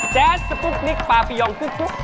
แจ๊สสปุ๊กนิกปาปียองกุ๊ก